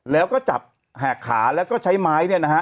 แล้วก็จับแหกขาแล้วก็ใช้ไม้เนี่ยนะฮะ